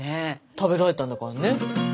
食べられたんだからね。